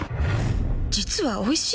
実はおいしい？